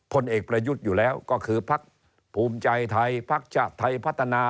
พลเอกประยุทธ์อยู่แล้วก็คือพักภูมิใจไทยพักชาติไทยพัฒนา